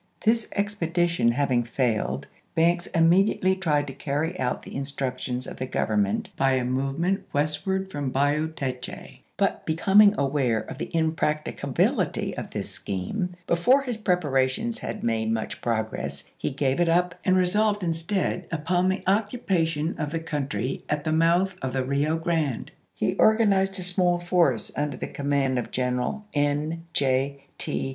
This expedition having failed, Banks immedi im. ately tried to carry out the instructions of the Government by a movement westward from Bayou Teche, but becoming aware of the impracticability of this scheme, before his preparations had made much progress, he gave it up and resolved in stead upon the occupation of the country at the mouth of the Rio Grande. He organized a small force, under the command of General N. J. T.